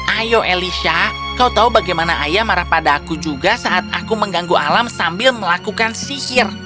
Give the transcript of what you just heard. ayo elisha kau tahu bagaimana ayah marah pada aku juga saat aku mengganggu alam sambil melakukan sihir